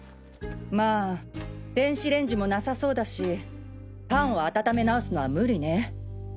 まぁ電子レンジもなさそうだしパンを温め直すのは無理ね。